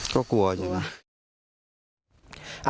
ก็กลัวอยู่นะ